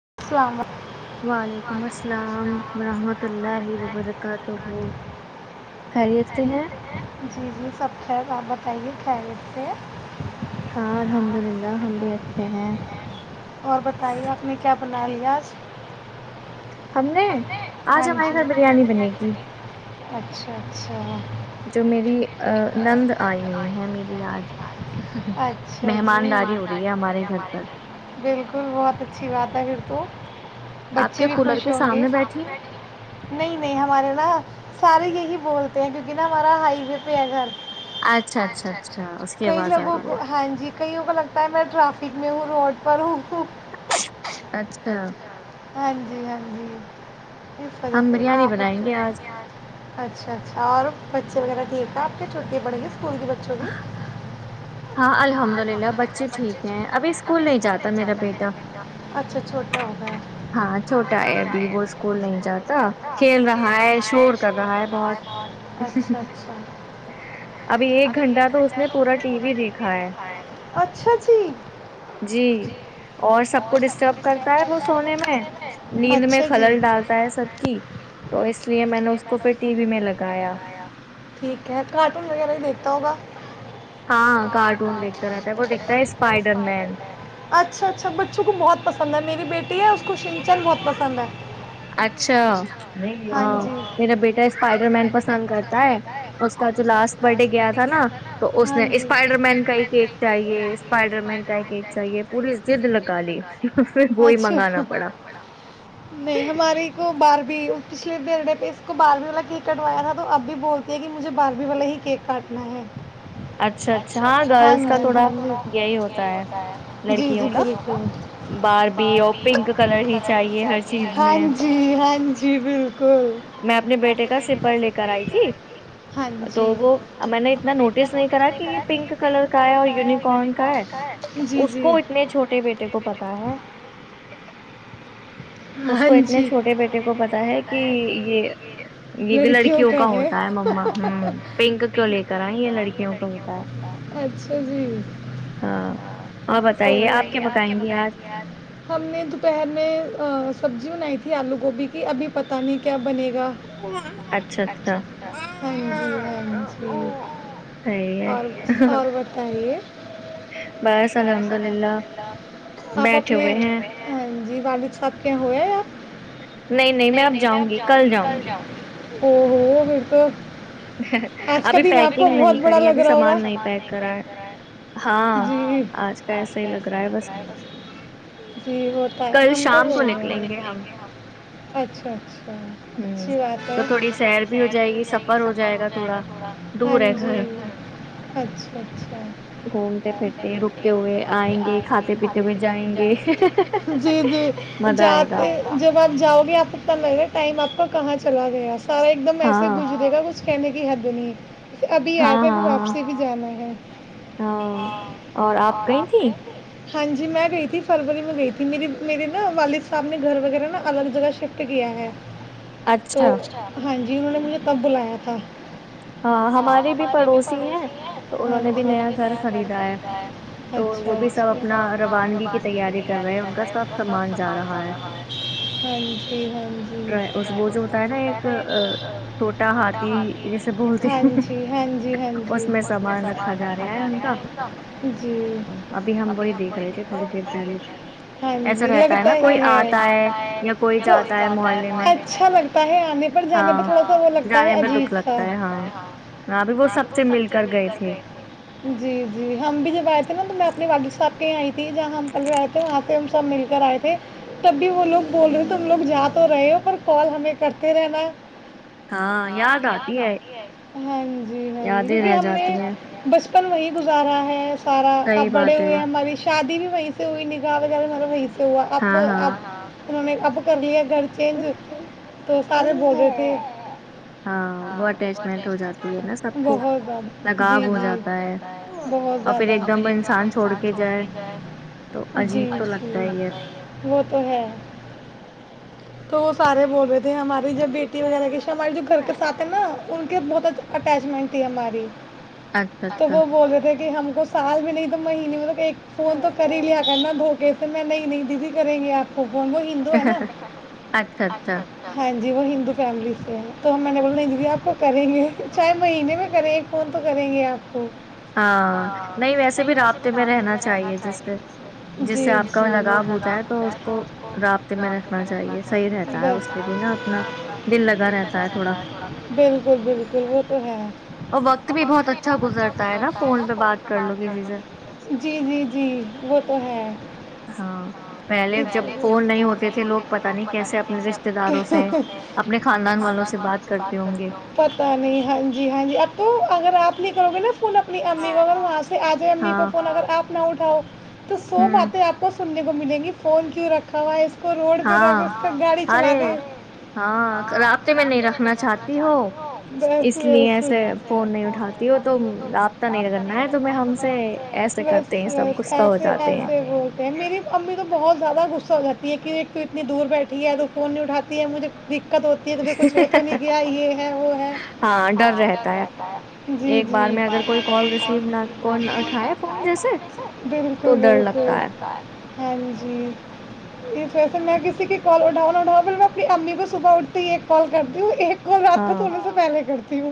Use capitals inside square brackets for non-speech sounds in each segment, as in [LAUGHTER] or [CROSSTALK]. [UNINTELLIGIBLE] وعلیکم السلام ورحمت اللہ وبرکاتہ خیریت سے ہیں [UNINTELLIGIBLE] ہاں الحمد للہ ہم بھی اچھے ہیں اور بتائیے آپ نے کیا بنا لیا آج [UNINTELLIGIBLE] ہم نے آج ہمارے گھر بریانی بنے گی اچھا اچھا جو میری نند آئی ہوئی ہے میری آج مہمانداری ہو رہی ہے ہمارے گھر پر بالکل بہت اچھی بات ہے پھر تو بچے بھی خوش ہوں گے نہیں نہیں ہمارے نا سارے یہی بولتے کیونکہ نہ ہمارا ہائی گھرچھ اچھا کئی لوگوں کو ہاں جی کہئیوں کا لگتا ہے میں ٹرریفک میں ہوں روڈ پروں [UNINTELLIGIBLE] اچھا ہاں جی ہاں جی اچھا اچھا اور بچے وغیرہ ٹآئیھک تھا ا چھوٹے بڑیں گی سکول کے بچوں بھی ہاں الحمد للہ بچے ٹھیک ہیں ابھی اسکول نہیں جاتا میرا بیٹا اچھا چھوٹا ہوگیا ہاں چھوٹا ہے ابھی وہ اسکول نہیں جاتا کھیل رہا ہے شور کر رہا ہے بہت ابھی ایک گھنٹہ تو اس نے پورا ٹی وی دیکھا ہے جی اور سب کو ڈسٹرب کرتا ہے وہ نیند میں خلل ڈالتا ہے سب کی تو اس لیے میں نے اس کو پھر ٹی وی میں لگایا کتا ہوگا [UNINTELLIGIBLE] اچھا اچھا بچوں کو بہت پسند ہے میری بیٹی [UNINTELLIGIBLE] اچھا ہاں میرا بیٹا اسپائڈر مین پسند کرتا ہے اس کا جو لاسٹ بر ڈے گیا تھا نا تو اس نے اسپائڈر مین کا ہی کیک چاہیے اسپائڈر مین کا ہی کیک چاہیے پوری جد لگا لی پھر وہی منگانا نہیں ہماری کو باربی پچھلے برتھ ڈے پہ اس کو باربی والا کیک کٹوایا تھا پ بھی بولتی ہے مجھے باربی والا ہی کیک کاٹنا ہے نہیں [INAUDIBLE] اچھا اچھا ہاں گرلس کا تھوڑا یہی ہوتا ہے لڑکیوں کا بار بھی اور پنک کلر ہی چاہیے ہر چیز میں میں اپنے بیٹے کا سپر لے کر آئی تھی تو وہ میں نے اتنا نوٹ یکٹس نہیں کرا کہ یہ پنک کلر کا ہے اور ینیی کارن کا ہے اس کو اتنے چھوٹے بیٹے کو پتا ہے اس کو اتنے چھوٹے بیٹے کو پتا ہے کہ یہ یہ لڑکیوں کا ہوتا ہے ما ما پنک کیو لے کر آئ یہ لڑکی کو ہوتا ہاں اور بتائیے آپ کیا بکائیں گے آج نے دوپہر میں سبزی بنائی تھی آلو گوبھی کی ابھی پتہ نہیں کیا بنے گا ہاں جی ہ جی اور اور بتائے آپ اپنے ہاں جی والد سب کی ہویا ار نہیں نہیں میں اب جاؤں گی کل جاؤں گی او ہو و تو ابھی پیکنگ نہیں کری ابھی سامان نہیں پیک کرا ہے ہاں آج کا ایسا ہی لگ رہا ہے بس جی ہوتا ہے ہم تو ہوے اچھا اچھا اچھی بات ہے تھوڑی سیر بھی ہو جائے گی سبر ہو جائے گا تھوڑا ہاں جی اچھا اچھا گومتے پھرتے رتے ہوئے آئے گے کھاتے پیتے جی جی ج جب آپ جاؤ گے آپ پت لگے ٹائم آپ کا کہاں چلا گیا سارا ایک دم ایسے گج دے گا کچھ کی کی حدنی [UNINTELLIGIBLE] ابھی آیا تھے واپ سے بھی جانا ہے اور آپ کہ ہاں جی میں گئی تھی فروری میں گئی تھی میری میرے نا والد صاحب نے گھر وغیرہ نا الگ جگہ شفٹ کیا ہے تو ہاں جی انوں نے مجھے تب بلایا تھا ہاں ہمارے بھی پڑوسی ہیں نیا گر خریدا ہے سب اپنا ران کی تیاری کر رہے ہیں اس کا سب سامان جا رہا ہے ہ جی ہاں جی اس کو جو ہوتا ہے نا ایک چھوٹا ہاتاتھی ہاں جی ہاں جی ہاں جی اس میں سامان رکھا جا رہا ہے جی ابھی ہم ہاں جی لگتا ہی ہے تو اچھا لگتا ہے آنے پر جانے پر تھوڑا سا وہ لگتا ہے عجیب کر گئے جی جی ہم بھی جب آئے تھے نا تو میں اپنے والاد صاحب پ آئی جا ہم [UNINTELLIGIBLE] ک رہے تھے وہاں سے ہم سب مل کر آئے تھے تب بھی وہ لوگ بول رہے ہو تم لوگ جا تو رہے ہو پر کال ہمیں کرتے رہنا یا ہاں جی ہ جی کیونکہ ہم نے ب وہی گزارا ہے سارا اب بڑے ہوئے ہیں ہماری شادی بھی وی [UNINTELLIGIBLE] سوا ج م [UNINTELLIGIBLE] تو اب اب انہونے اب کر لیا ہے گھرد چج تو سارے بول رہے تھے بہت زدہ جی جیات بہت زیادہان چھ کےائے جی جی وہ تو ہے تو وہ سارے بووے ہماری جب بیٹی وغیرہ کی ہمارے جو گھر کے ساتھ ہے نا ان کے بہت اٹیچمنٹ تھی ہماری تو وہ بول رہے تھے کہ ہم سال بھی نہیں تو مہینے مطلب ایک فون تو کر ہی لیا ہوک پھر میں نہیں نہیں دی دی کریں گے آپ کو بومبو ہندو ہے نا ہاں جی [UNINTELLIGIBLE] جی وہ ہندو فیملی سے ہے تو ہم میں نے بول رہے جی آپ کو کریں گے چاہے مہینے میں کریں گے فون تو کریں گے آپ کو ہاں نہیں ویسے بھی رابطتے میں رہنا چاہیے جس سے جی ج شام لگاب ہوتا ہے تو رابطے میںنا چاہیےا بالکل بالکل وہ تو ہے اور وقت بھی بہت اچھا تا ہے نا فون پ بات کر لوگی جی جی جی وہ ا ہے [UNINTELLIGIBLE] ے ج ف ہوتےگ پےنے خاند والوں سےات کرتے پتا نہیں ہ جی ہاں جی اب تو اگر آپ اپ کروے نا فون اپ [UNINTELLIGIBLE] اپنی امی کو اگر وہاں سے آ جائیں امی کو فون اگر آپ [UNINTELLIGIBLE] نؤٹاؤ [UNINTELLIGIBLE] تو سو باتیں آپو سننے [UNINTELLIGIBLE] کو ملیں گی فون کیوں رکھا ہوا ہے اسے روڈ پ ر گاڑی چلا د میں نہیں رنا چاہتی ہ بسسےنا [UNINTELLIGIBLE] ایسے بولتے ہیں میری امی تو بہت زیادہ گ گاتی ہے کی ایک تو اتنی دور بیٹھی ہے تو فون نہیں اٹاتی ہے مجھے د دقت ہوتی ہے پ کچھ ہو تو نہیں کیا یہ ہے وہ ہے رہتا ہے جی جی بک ک بالکل ہاں جی یہ ویسے [UNINTELLIGIBLE] کسی کی کال اور ڈاؤن اورڈا ہو ب میں اپنی امی کو صبح اٹتی ہی ایک کال کرتی ہوں ایک اور رات کو توونے سے پہلے کرتی ہوں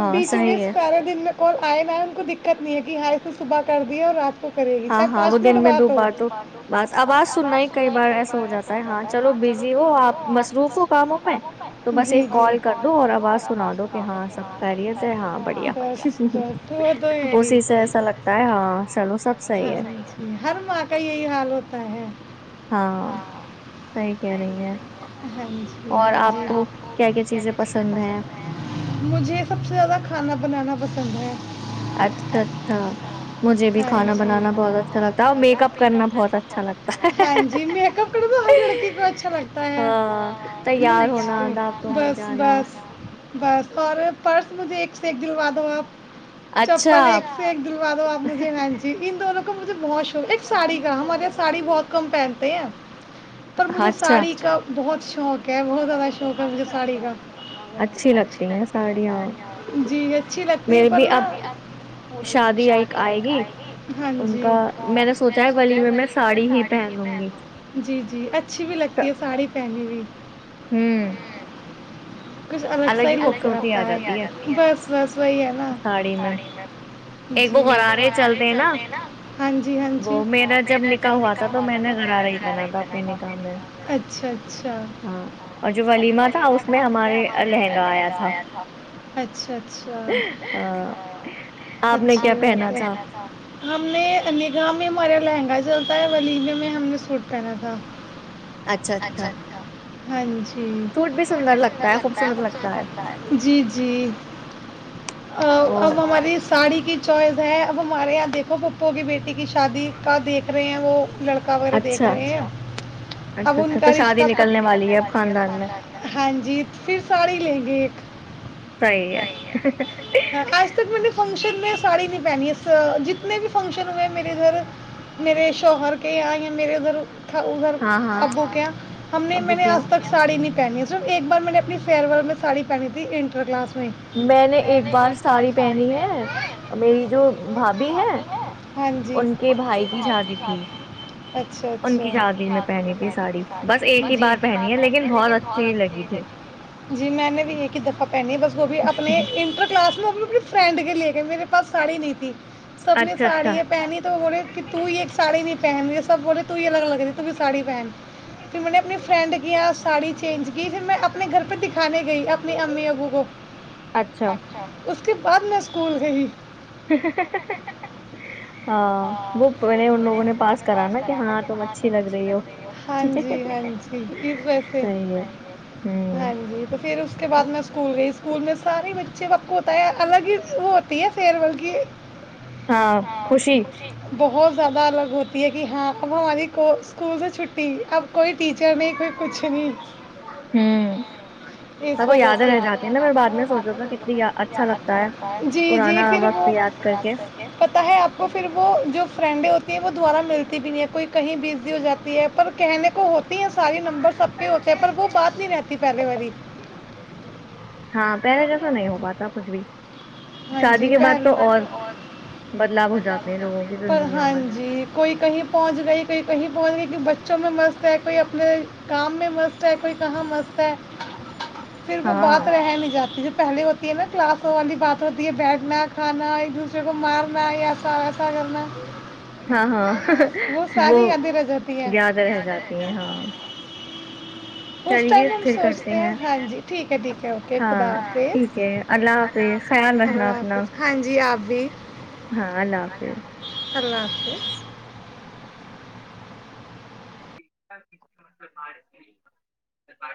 اب بیچ بیچ پارے دن میں اور آئے نہئے ان کو دقت نہیں ہے کہ ہائے سے صبح کر دیے اور رات کو ہاں ہاں وہ دن میں دو بار تو بس آواز سننا ہی کئی بار ایسا ہو جاتا ہے ہاں چلو بزی ہو آپ مصروف ہو کاموں میں تو بس ایک کال کر دو اور آواز سنا دو کہ ہاں سب خیریت تھے ہاں بڑھیا اسی سے ایسا لگتا ہے ہاں چلو سب ہ نہیں ہر ماں کا یہی حال ہوتا ہ ہاں [UNINTELLIGIBLE] جی جی مجھے سب سے زیادہ کھانا بنانا پسند اچھا اچھا مجھے بھی [UNINTELLIGIBLE] میک اپ کرنا ہر لڑکی کو اچھا لگتا ہے بس بس بس اور پرس مجھے ایک سے ایک گلوا دو آپ چپل ایک سے ایک دلوا دو آپ مجھ ہان جی ان مجھے بہت شوق ایک ساڑی کا ہمارے ساڑی بہت کم پہنتے ہیں پر مجھے ساڑی کا بہت شوق ہے بہت زیادہ شوق ہے مجھے ساڈ ی کا جی اچھی لگتی ہے پر ن ش ہاں جی میں نے سوچا ہے ولیمے میں ساڑی ہی پہ جی جی اچھ اچھی بھی لگتی ہے ساڑی پہنی ج [INAUDIBLE] ہوں [UNINTELLIGIBLE] کچھ الگ سا ہی لوک کرتا ہے بس بس وہی ہے نا جی رارے ہی چلتے نا ہاں جی ہاں جی میرا جب نکھا ہوا تھا تو میں نے گرارا ہی پہنا اپنے نکاح میں اچھا اچھا اور جو ولیمہ تھا اس ا اچھا اچھا اچ ہم نے نگاہ میں ہمارے لہنگا چلتا ہے ولیلے میں ہم نے سوٹ پہنا تھا اچھا اچھا ہاں ج [UNINTELLIGIBLE] ساڑی کی چوائس اب ہمارے یہاں دیکو پپو کی بیٹیے کی شادی کا دیک رہے ہیں [INAUDIBLE] ک دیکھ رہے ہو اب ان کا رشتہ نکلنے والی ہے ہاں جی پھر ساڑی لیں گے صی ہے فنکشن میں ساڑی س جتنے بھی فنکشن ہوئے میرے ادھر میرے شوہر کے یا یا میرے ادھر تھا ادھر ابو کیااں ہم نے میں نے آج تک ساڑی ن پہنی ہے صرف ایک بار میں نے اپنی فیئر ول میں سڑی پہنی تھی انٹر کلاس میں نے ایک بار ساڑی پہنی ہے ہ جی اچھا اچھا ب جی میں نے بھی یہ دفعہ پہنی ہے کو بھی اپنے انٹرٹین بس میں اپنی اپنی فرینڈ کے لے کے میرے بس سی نیتی سب نے ساڑیا پہنی تو ب رہے تو یہ ایک ساڑی نہیں پہن رہی سب بے تو یہ الگ لگ رہی ت بھی ساڑی پہن پھر میں نے اپنی فرینڈ کیا ساڑی چینج کی پھر میں اپنے گھر پہ دکھانے گئی اپنی امی ابو کو کے بعد میں سکول گئی وگ ج ج و جیھر اس بعد میںکول گئی اسکول میں سارے بچے اچھے وقت ہوتا ہے الگ ہی وہ ہوتی ہے مکش بہت زیادہ الگ ہوتی ہے کہ ہاں اب ہماری اسکول سے چھٹی اب کوئی ٹیچر نہیں کوئی کچھ نہیں اس وجہ سے جی جی پھر وہ پتا ہے آپ کو پھر وہ جو فرینڈ کہ وہ دوبارہ ملتی بھی نہیں ہے کوئی کہیں بزی ہو جاتی ہے پر کہنے کو ہوتی ہیں سارے نمبر سب کے ہوتے ہیں پر وہ بات نہیں رہتی پہلے والی پہلے جیسا نہیں ہو پاتا کچھ بھی ہاں جی اور پر ہاں جی کوئی کہیں پہنچ گئی کوئی کہیں پہنچ کی بچوں میں مست ہے کوئی اپنے کام میں مست ہے کوئی کہاں مست پتے پھر وہ بات رہ نہیں جاتی ج پہلے ہوتی ہے نا کلاس والی بات تیے بیٹھنا کھا ایک دوسرے کو مارنا ایساا کرنا وہ ساری آدھی رہ جاتی ہے اس سوچ ہ جی ٹھیک ہے ٹھیک ہے اوکے خ ہاں جی آپ بھی اللہ حافظ [UNINTELLIGIBLE]